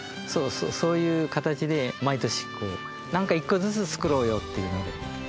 そういう形で毎年なんか一個ずつ作ろうよっていうので。